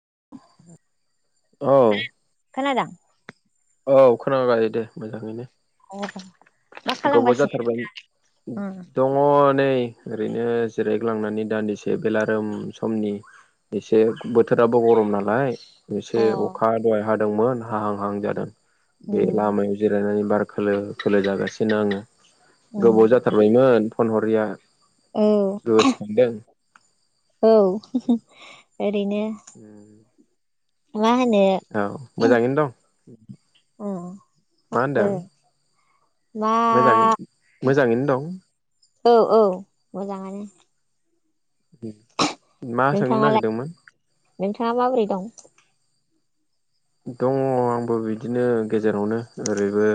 [inaudible] औ खोनादों औ खोनाबाय दे मोजाङैनो [inaudible] गोबाव खालामगासिनो? जाथारबाय दङ नै। ओरैनो जिरायग्लांनानै दान्दिसे बेलारोम समनि। एसे बोथोराबो गरम नालाय। एसे उम अखा दहाय हादोंमोन हाहां हाहां जादों बे उम लामायाव जिरायनानै बार। खोलो खोलो जागासिनो आङो गोबाव उम जाथारबायमोन फन हरिया। औ गोसोखांदों औ ओरैनो उम। मा होनो? मोजाङैनो दं मा होनदों मा मोजाङै मोजाङैनो दं औ औ मोजाङानो। मा सोंनो नागिरदोंमोन? दा माबोरै दं? दङ आंबो बिदिनो गेजेरावनो ओरैबो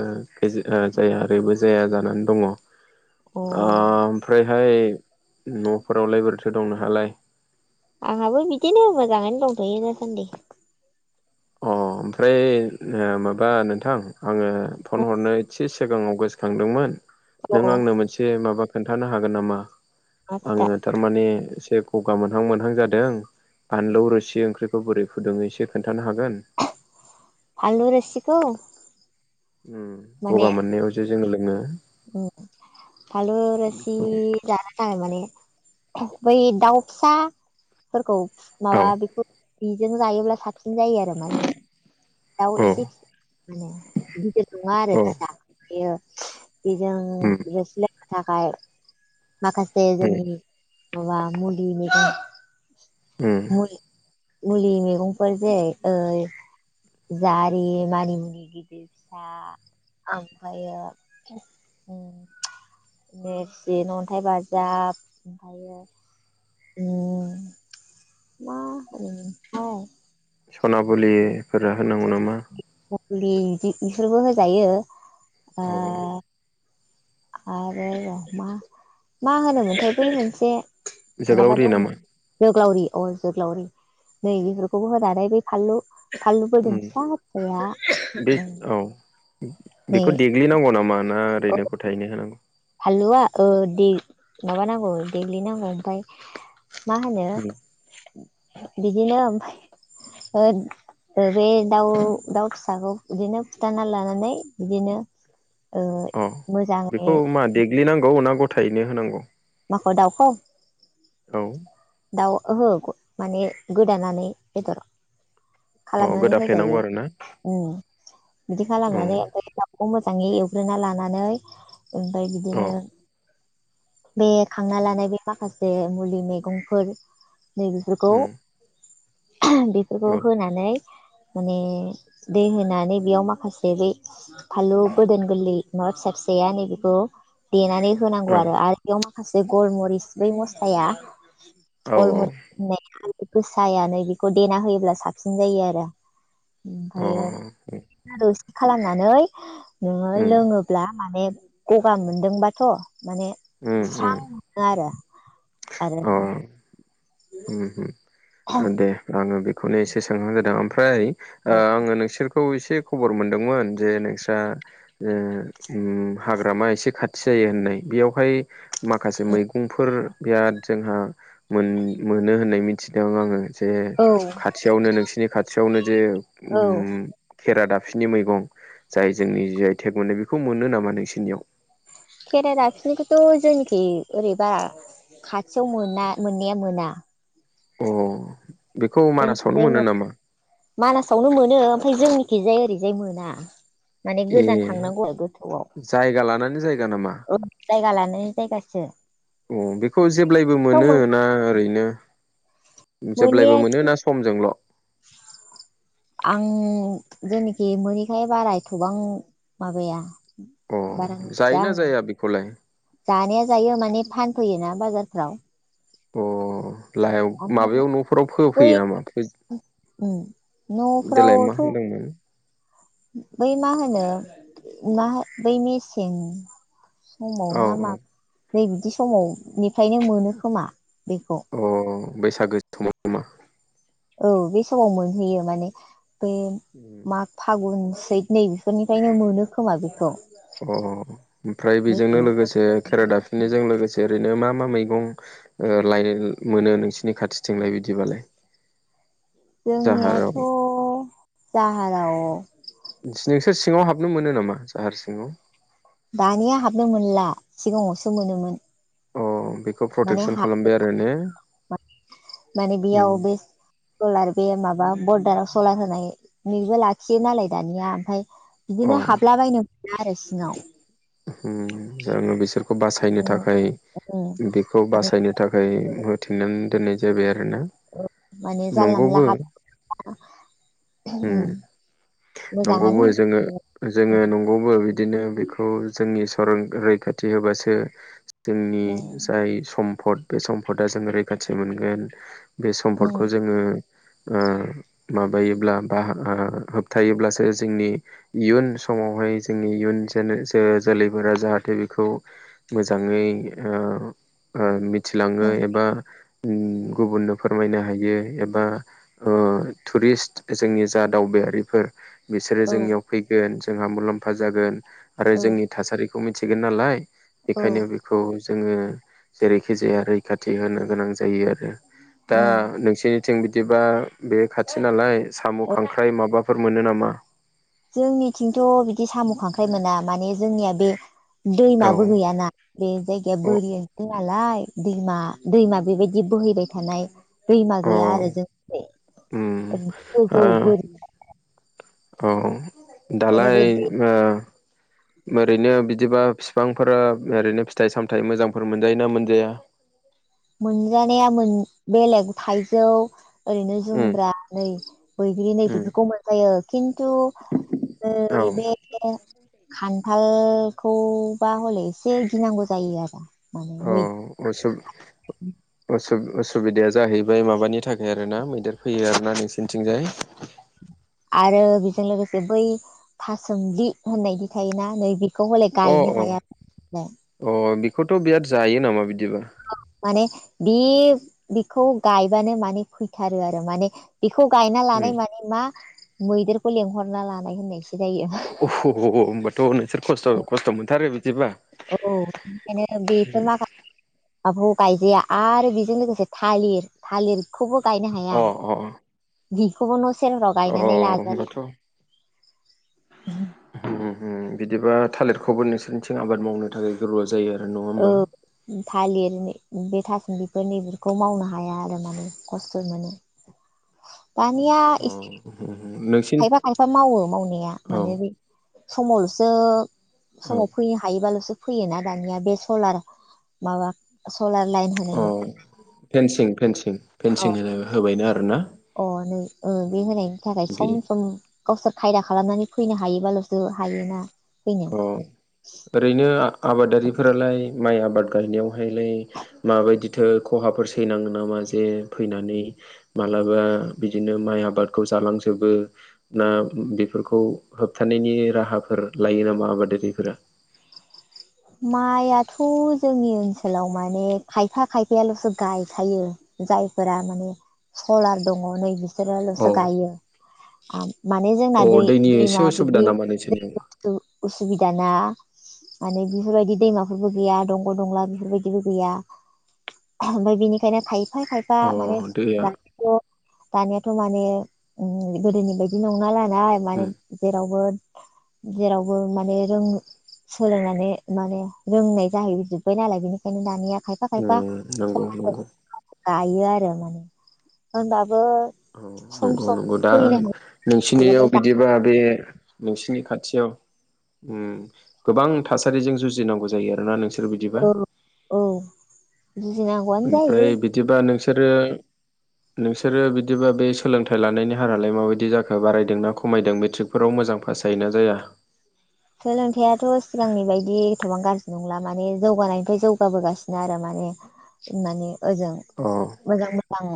ओ-जाया ओरैबो जाया। जानानै दङ। अ ओ-ओमफ्रायहाय न'फोरावलाय बोरैथो दं नोहालाय? आंहाबो बिदिनो मोजाङैनो दंथ'यो दासान्दि। अ ओमफ्राय ओ-माबा नोंथां आङो फन हरनो एसे सिगाङाव गोसो खांदोंमोन। अ नों आंनो मोनसे माबा खोन्थानो हागोन नामा मा खोथा आङो थारमाने। एसे गगा मोनहां मोनहां जादों बानलौ रोसि ओंख्रिखौ बोरै फुदुंडो एसे खोन्थानो हाग फानलु रोसिखौ? उम गगा मोननायाव जे जों लोङो। उ फानलु रोसि बेखौ जानो थाखाय माने। बै दाउ फिसाफोरखौ औ माबा बेखौ। बिजों जायोब्ला साबसिन जायो आरो माने। दाउ औ एसे माने गिदिर नङा आरो औ फिसा बेयो। बेजों उम रोसि लोंनो थाखाय माखासे उम जोंनि। माबा मुुलिनि [unintelligible] उम। मुलि मैगंफोर जाय ओ- जारि मानिमुनि गिदिर फिसा आमफ्रायो। उम। नेरसिं अन्थाइ बाजाब ओमफ्रायो। उम मा होनोमोन थाय? सना बुलिफोरा होनांगौ नामा? फुलि बिदि बेफोरबो होजायो औ ओ- आरो र' मा मा होनोमोनथाय' बै मोनसे। नङाबा जोगोलावरि दं ना। नामा जोग्लावरि अ जोग्लावरि नै बेफोरखौबो होनानै बै फानलु। फानलु उम बोददोन फिसा बे फिसाया उम। औ बेखौ देग्लिनांगौ नामा ना ओरैनो गथायनो होनांगौ? फाललुआ ओ दे माबा नांगौ देग्लि नांगौ ओमफाय मा होनो उम बिदिनो ओमफाय बे दाउ दाउ फिसाखौ बिदिनो फुथना लानानै बिदिनो ओ अ बेखौ मोजाङै मा देग्लिनांगौ ना गथायैनो होनांगौ माखौ दाउखौ औ दाउ माने गोदानानै बेदर अ खालामनानै गोदाफ्लेनांगौ होजायो आरो ना उम बिदि खालामनानै औ मोजाङै एवग्रोना लानानै ओमफाय अ बिदिनो बे खांना उम लानाय बे माखासे मुलि मैगंफोर नै बेफोरखौ उम बेफोरखौ औ होनानै माने दै होनानै बेयाव माखासे बै फालु बोदोन गोरलै नर्थ साइड फिसाया नै बेेखौ देनानै होनांगौ आरो आरो बेयाव माखासे गलमरिस बै मस्लाया औ गलमुरा होननाय आलै गोसायानो बेखौ देना होयोब्ला साबसिन जायो आरो औ अ उम ओमफ्रायो दौसे खालामनानै नोङो उम लोङोब्ला माने गगा मोनदोंबाथ' माने उम स्रां उम मोनो आरो आरो अ उम दे आङो बेखौनो एसे सोंहां जादों ओमफ्राय ओ औ आंङो नोंसोर खौ एसे खबर मोनदोंमोन जे नोंस्रा ओ उम हाग्रामा एसे खाथि जायो। होननाय बेयावहाय माखासे मैगंफोर बिराद जोंहा मोन मोनो होननाय मिथिदों आङो। जे खाथियावनो नोंसिनि खाथियावनो जे औ औ उम खेरा दाबफनि मैगं जाय जोंनि जाय टेग मोननाय बेखौ मोनो नामा नोंसिनियाव खेरा दाफिनिखौथ' जोंनोखि ओरैबा खाथियाव मोना मोननाया मोना अ बेखौ मानासावनो जोंनिखिजाय मोनो मोना नामा? मानासावनो मोनो ओमफ्राय जोंनिखिजाय ओरैजाय मोना माने ए गोजान थांनांगौ आरो गोथौआव जायगा लानानै जायगा नामा जायगा लाना जायगासो अ बेखौ जेब्लायबो थेव मोनो मोना ना ओरैनो जेब्लायबो मोननायाथ' मोनो ना समजोंल' आं जेनोखि मोनोैखाय बाराय एथबां माबाया अ बारा मिथिया जायोना आङो जाया बेखौलाय जानाया जायो माने फानफैयोना बाजारफ्राव अ लाहायाव ओमफ्राय माबायाव न'फोराव बै फोफैयो नामा? उम देलाय मा न'फ्रावथ' होनदोंमोन बै मा होनो मा बै मेसें समाव औ ना मा नै बिदि समावनिफायनो मोनो खोमा बेखौ अ बैसागो समाव नामा? औ बे समाव मोनहैयो माने बे माग फागुन नै बेफोरनिफ्रायनो मोनो खोमा बेखौ अ अ ओमफ्राय बेजोंनो नैबेनिफ्राय लोगोसे खेरा दाफिननायजों लोगोसे ओरैनो मा मा? मैगं ओ लायनाय मोनो नोंसिनि खाथिथिंलाय बिदिबालाय जाहाराव जोंनियाथ' जाहाराव नोंसोर सिंङाव हाबनो मोनो नामा जाहार सिंङाव दानिया हाबनो मोनला सिंगाङावसो मोनोमोन। अ बेखौ माने प्रटेकसन हा खालामबाय आरो ने माने बेयाव बे सलार बे माबा बरदार सलार होनायनिबो लाखियो नालाय दानिया, ओमफाय बिदिनो अ हाबलाबायनो ना आरो सिङाव। होम जानो बिसोर खौ बासायनो उम थाखाय उम बेखौ माने बासायनो थाखाय होथिनानै दोननाय जाबाय आ रोना माने जानला मोनला नंगौबो। हाब उम [inaudible] मोजाङानो नंगौबो जोङो जोङो नंगौबो बिदिनो बेखो जोंनि सरन रैखाथि होबासो जोंनि उम जाय सम म्पद बे सम्पदा जों रैखाथि मोनगोन। बे उम सम्फदखौ जोङो ओ माबायोब्ला बा ओ होबथायोब्लासो जोंनि इयुन समावहाय जोंनि इयुन जेनेरे जोलैफोरा जाहाथे बेखौ मोजाङै ओ ओ मि थिलाङो उम एबा [inaudible] गुबुननो फोरमायनो हायो एबा ओ टुरिस्ट जोंनि जा दावबायारिफोर बिसोरो औ जोंनियाव फैगोन, जोंहा मुलाम्फा जागोन आरो औ जोंनि थासारिखौ मिथिगोन नालाय। औ बेखायनो बेखौ जोङो जेरैखि जाया रैखाथि होनो गोनां जायो आ रो। दा उम नोंसिनिथिं बिदिबा बे खाथि नालाय साम' औ खांख्राइ माबा फोर मोनो नामा? जोंनिथिंथ' बिदि साम' खांख्राइ मोना माने जोंनिया बे दैमाबो औ गैयाना बे जायगाया अ बोरि [unintelligible] नालाय दैमा दैमा बेबायदि बोहैबाय थानाय दैमा औ गैया आरो जों उम ओरैनो ओ गोजौ बोरि। औ दालाय बे दै ओ ओरैनो बिदिबा फिफांफोरा ओरैनो फिथाइ सामथाइ मोजांफोर मोनजायोना मोनजाया? मोनजानाया मोन बेलेग थाइजौ‌ ओरैनो उम जुमब्रा नै बैग्रि नै उम बेफोरखौ मोनजायो। खिन्थु औ नै बे खान्थालखौबा हले एसे गिनांगौ जायो आरो। माने औ मै असुब। [inaudible] उसुबिदाया जाहैबाय माबानि थाखाय आरो ना मैदेर फैयो आरोना नोंसिनिथिंजाय। आरो बेजों लोगोसे बै थासोमलि होननायदि थायोना नै बेखौ हले अ गायनो हाया [unintelligible] खौथ' बिराद जायो नामा बिदिबा? माने बे बेखौ गायबानो माने फैथारो आरो माने बेखौ गायना अ लानाय माने मा मैदेरखौ लेंहरना लानाय होननायसो। जायो अह ह होमबाथ' नोंसोर खस्थ' खस्थ' मोनथारो बि औ ओंखायनो बेफोर माखासे [unintelligible] गायजाया आरो बेजों लोगोसे थालिर थालिरखौबो अह अह। बिखौबो न' सेरफोराव गायनानै लाजायो। होम होम बिदिबा थालिरखौबो नोंसोरनिथिं आबाद मावनो थाखाय गोरबा जायो आरो। नङा औ होमबा थालिरनि बे थासोमलिफोर नैफोरखौ मावनो हाया आरो माने खस्थ' मोनो। दानिया अ एसे नोंसिन खायफा खायफा मावो मावनाया औ माने बे समावल'सो औ समाव फैनो हायोबाल'सो फैयोना दानिया बे सलार माबा सलार लाइन अ होनायनि फेनसिं फेनसिं फेनसिं हो [unintelligible] होबायनो आरो ना? अह नै ओ बे होनायनि थाखाय बे सम सम गावसोर खायदा खालामनानै फैनो हायोबाल'सो हायोना। फैनो अ ओरैनो आबादारिफोरालाय माइ आबाद गायनायावहायलाय माबायदिथो खहाफोर सैनांओ नामा? जे फैनानै मालाबा बिदिनो माइ आबादखौ जालांजोबो ना बेफोरखौ होबथानायनि राहाफोर लायो नामा आबादारिफोरा? माइआथ' जोंनि ओनसोलाव माने खायफा खायफायाल'सो गायखायो जायफोरा माने सलार दङ' नै अ बिसोरल'सो गायो माने जोंना अ दै दैनि एसे दैमा उसुबिदा बिदि नामा दै नोंसोरनियाव बुस्थु सुबिदा ना माने बेफोरबायदि दैमाफोरबो गैया दंग दंला बेफोरबायदिबो गैया ओमफाय बिनिखायनो खायफा खाय दा अ माने दैया [unintelligible] दानियाथ' माने गोदोनि बायदि नङा नालाय नाय माने उम जेरावबो जेरावबो माने रों सोलोंनानै माने रोंनाय जाहैजोबबाय नालाय बेनिखायनो दानिया खायफा ओ खायफा नंगौ नंगौ गायो आरो माने होनबा औ नंगौ नंगौ दा फैनो नोंसिनियाव हानाय बिदिबा बे नोंसिनि खाथियाव ओम गोबां थासारिजों जुजिनांगौ जायो आरोना नोंसोर सोर बिदिबा। औ औ जुजिनांगौआनो जायो ओमफ्राय बिदिबा नोंसोरो नोंसोरो बिदिबा बे सोलोंथाइ लानायनि हारालाय माबायदि जाखो बारायदोंना खमायदों मेट्रिकफोराव मो मोजां फास जायोना जाया? सोलोंथाइयाथ' सिगांनि बायदि इसेबां गाज्रि नंला माने जौगानायनिफ्राय जौगाबोगासिनो आरो माने ओ माने ओजों अ मोजां मोजां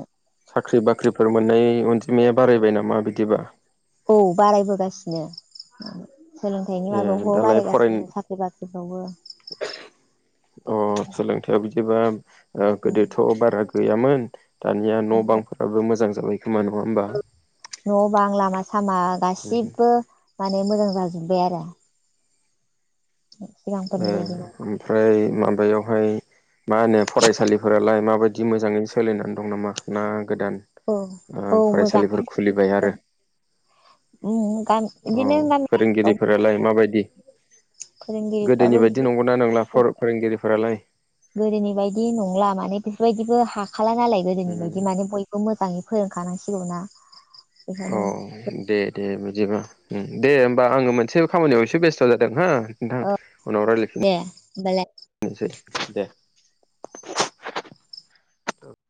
साख्रि बाख्रिफोर मोननाय अनजिमाया बारायबाय नामा बिदिबा? औ बारायबोगासिनो सोलोंथाइनि ए माबायाव बो दालाय फराय बारायगासिनो साख्रि बाख्रिफ्रावबो अ सोलोंथाइया बि दिबा ओ गोदोथ' बारा गैयामोन दानिया न' बांफोराबो मोजां जाबाय खोमा नङा होमबा? न' बां लामा सामा ओ गासिबो माने मोजां जाजोबबाय आरो ए सिगांफोरनि बायदि नङा ओमफ्राय मा बैयावहाय मा होनो फरायसालिफोरालाय माबायदि मोजाङै सोलिनानै दं नामा ना गोदान औ औ ओ मोजां फरायसालिफोर खुलिबाय आरो? बिदिनो गामि औ गामिफ्राव फोरोंगिरिफोरालाय माबायदि? गोदोनि फोरोंगिरिफ्राबो बायदि बिद नंगौना नंला फोरोंगिरिफोरालाय गोदोनि बायदि नंला माने बेफोरबायदिबो खाला नालाय गोदोनि बायदि माने बयबो मोजाङै फोरोंखानांसिगौना औ दे दे दिबा उम दे होमबा आङो मोनसे खामानियाव एसे बेस्थ' जादों हो नोंथां औ उनाव रायलाय दे होमबालाय फिन सै दे [unintelligible]